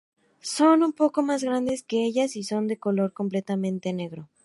Son un poco más grandes que ellas y son de color completamente negro.